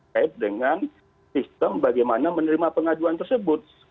kait dengan sistem bagaimana menerima pengaduan tersebut